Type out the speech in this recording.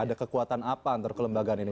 ada kekuatan apa antar kelembagaan ini